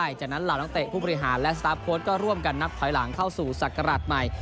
จากนั้นเหล่านักเตะผู้บริหารและสตาร์ฟโค้ดก็ร่วมกันนับถอยหลังเข้าสู่ศักราชใหม่